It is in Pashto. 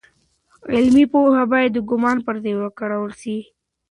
علمي پوهه باید د ګومان پر ځای وکارول سي.